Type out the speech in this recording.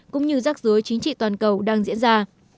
cũng như rắc rối chính trị toàn cầu đang diễn ra